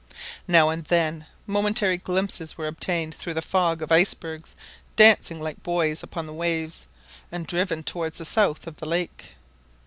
Now and then momentary glimpses were obtained through the fog of icebergs dancing like buoys upon the waves, and driven towards the south of the lake.